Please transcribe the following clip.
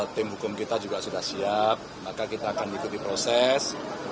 tim hukum kita juga sudah siap maka kita akan ikuti proses